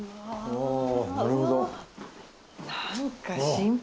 おなるほど。